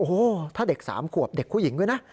โอ้โหถ้าเด็ก๓ขวบเด็กผู้หญิงด้วยนะ